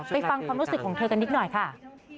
ฟังความรู้สึกของเธอกันนิดหน่อยค่ะ